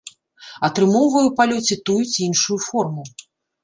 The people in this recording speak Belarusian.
Атрымоўвае у палёце тую ці іншую форму.